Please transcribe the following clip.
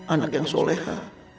anak yang soleha